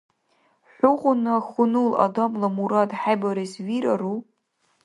ХӀугъуна хьунул адамла мурад хӀебарес вирару?